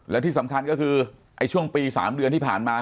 และที่สำคัญก็คือช่วงปี๓เดือนที่ผ่านมา